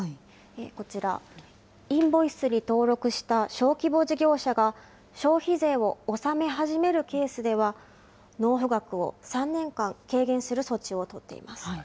こちら、インボイスに登録した小規模事業者が消費税を納め始めるケースでは、納付額を３年間軽減する措置を取っています。